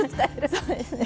そうですね。